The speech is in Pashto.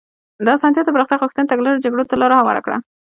د اسانتي د پراختیا غوښتنې تګلارې جګړو ته لار هواره کړه.